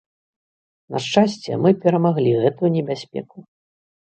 На шчасце, мы перамаглі гэтую небяспеку.